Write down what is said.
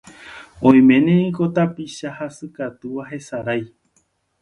Oiméne niko tapicha hasykatúva hesarái.